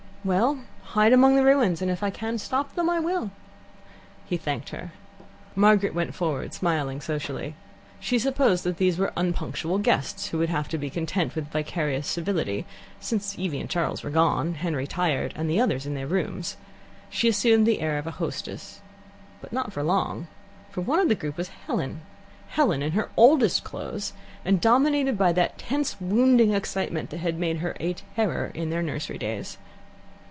"Well, hide among the ruins, and if I can stop them, I will." He thanked her. Margaret went forward, smiling socially. She supposed that these were unpunctual guests, who would have to be content with vicarious civility, since Evie and Charles were gone, Henry tired, and the others in their rooms. She assumed the airs of a hostess; not for long. For one of the group was Helen Helen in her oldest clothes, and dominated by that tense, wounding excitement that had made her a terror in their nursery days.